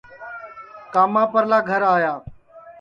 کاما پرلا گھر آیا